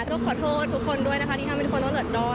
ก็ขอโทษทุกคนด้วยสำหรับที่ทำให้แต่ลดดอด